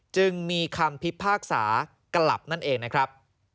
จึงมีคำพิพากษากลับนั่นเองนะครับ